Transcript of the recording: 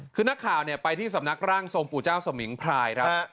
คือนักข่าวไปที่สำนักร่างทรงปู่เจ้าสมิงพรายครับ